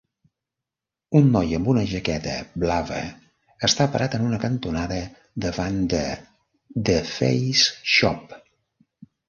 Un noi amb una jaqueta blava està parat en una cantonada davant de THEFACESHOP.